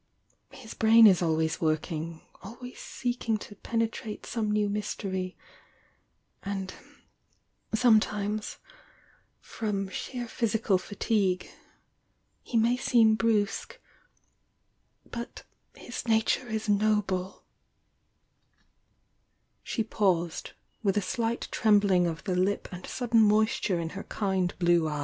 His brain is always working— always seeking to pene trate some new mystery,— and sometime*— from sheer physical fatigue— he may seem brusque,— but his nature is noble " She paused, with a slight trembling of the lip and sudden moisture in her kind blue eye?.